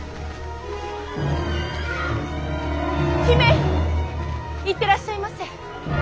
姫行ってらっしゃいませ。